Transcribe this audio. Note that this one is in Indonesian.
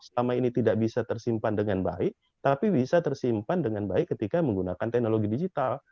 selama ini tidak bisa tersimpan dengan baik tapi bisa tersimpan dengan baik ketika menggunakan teknologi digital